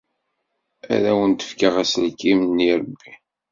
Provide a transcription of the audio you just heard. Ad awent-fkeɣ aselkim n yirebbi.